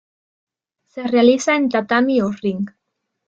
Se realiza en tatami o ring.